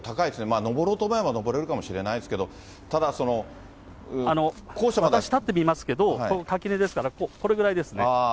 まあ、上ろうと思えば上れるかもしれないですけど、私、立ってみますけど、垣根ですから、これぐらいですね。